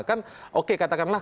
kan ok katakanlah